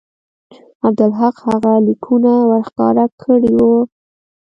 عبدالحق هغه لیکونه ورښکاره کړي وو.